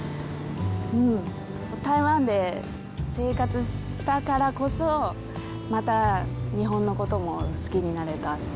うん、台湾で生活したからこそ、また日本のことも好きになれた。